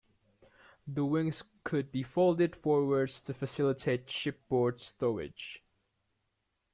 The wings could be folded forwards to facilitate shipboard stowage.